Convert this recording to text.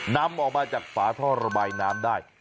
นำออกมาจากฝาท่อระบายน้ำได้